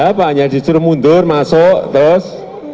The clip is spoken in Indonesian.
apa hanya disuruh mundur masuk terus